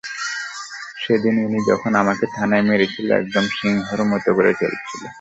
সেদিন উনি যখন আমাকে থানায় মেরেছিল একদম সিংহের মতো করে চলছিল।